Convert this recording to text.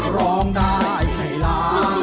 ร้องได้ให้ล้าน